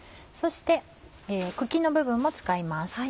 そして茎の部分も使います。